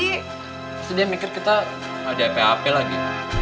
terus dia mikir kita ada pap lagi